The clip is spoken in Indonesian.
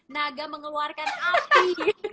naga mengeluarkan api